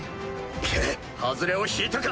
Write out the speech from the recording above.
くっ外れを引いたか！